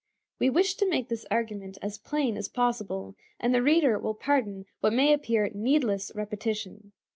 We wish to make this argument as plain as possible, and the reader will pardon what may appear needless repetition.